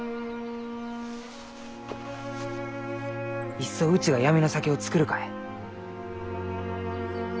いっそうちが闇の酒を造るかえ？